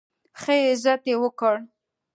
ښه عزت یې وکړ.